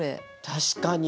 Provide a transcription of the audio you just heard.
確かに！